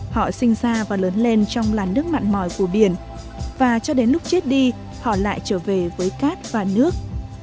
họ sinh ra và lớn lên trong làn nước mặn mòi của biển và cho đến lúc chết đi họ lại trở về với cát và nước